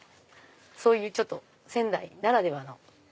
そういう仙台ならではの。